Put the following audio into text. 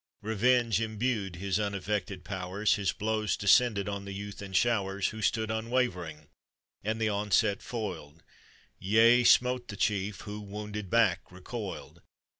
Revenge imbued his unaffected powers, His blows descended on the youth in showers, Who stood unwavering, and the onset foiled — Yea, smote the chief, who, wounded, back re coiled.